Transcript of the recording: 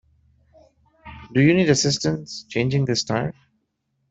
Do you need assistance changing this tire?